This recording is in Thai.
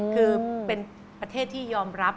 คือเป็นประเทศที่ยอมรับ